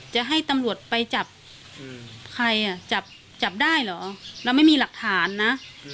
จะให้ตำรวจไปจับใครอ่ะจับได้เหรอเราไม่มีหลักฐานนะ